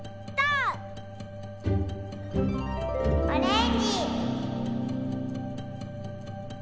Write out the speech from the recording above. オレンジ！